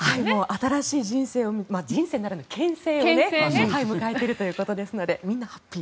新しい人生人生ならぬ犬生を迎えているということですのでみんなハッピー。